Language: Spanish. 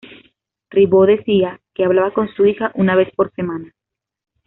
Ribó decía que hablaba con su hija una vez por semana.